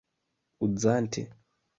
uzante